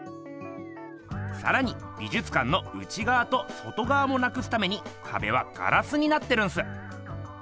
さらに美じゅつかんの内がわと外がわもなくすためにかべはガラスになってるんす。